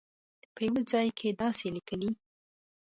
په یوه ځای کې داسې لیکي.